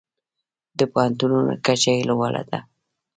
د پوهنتونونو کچه یې لوړه ده.